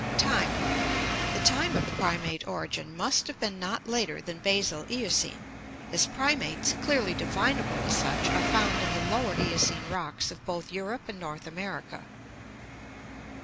Time. — The time of primate origin must have been not later than basal Eocene, as primates, clearly definable as such, are found in the Lower Eocene rocks of both Europe and North America.